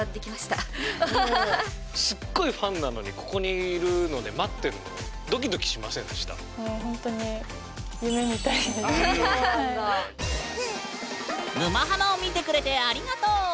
すっごいファンなのにここにいるので待ってるのもうほんとに「沼ハマ」を見てくれてありがとう！